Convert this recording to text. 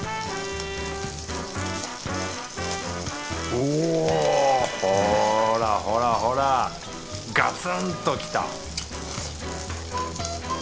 おぉほらほらほらガツンときた。